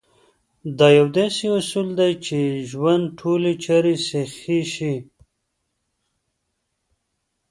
دا يو داسې اصول دی چې ژوند ټولې چارې سيخې شي.